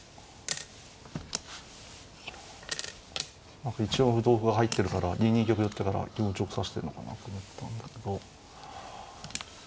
何か１四歩同歩が入ってるから２二玉寄ってからは気持ちよく指してるのかなと思ったんだけど。